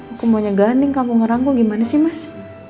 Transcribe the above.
aku maunya ganding kamu mau rangkul gimana sih mas